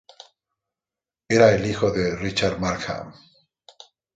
Era hijo de Richard Markham.